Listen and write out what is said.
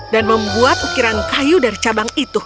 dan membuat ukiran kayu dari cabang itu